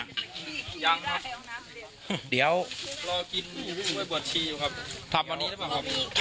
ยังครับเดี๋ยวรอกินข้าวยบัวชีอยู่ครับทำอันนี้ได้ไหมครับ